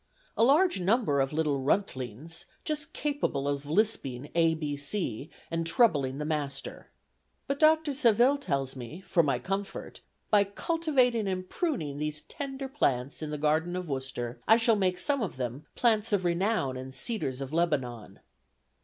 A large number of little runtlings, just capable of lisping A B C, and troubling the master. But Dr. Savil tells me, for my comfort, 'by cultivating and pruning these tender plants in the garden of Worcester, I shall make some of them plants of renown and cedars of Lebanon.'